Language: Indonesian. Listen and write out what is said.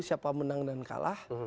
siapa menang dan kalah